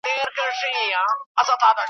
څومره طنازه څومره خوږه یې .